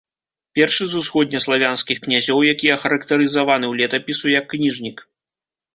Першы з усходнеславянскіх князёў, які ахарактарызаваны ў летапісу як кніжнік.